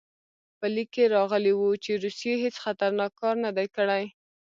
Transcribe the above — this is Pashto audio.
په لیک کې راغلي وو چې روسیې هېڅ خطرناک کار نه دی کړی.